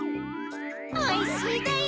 おいしいだよ。